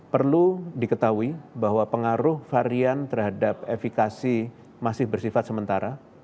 perlu diketahui bahwa pengaruh varian terhadap efikasi masih bersifat sementara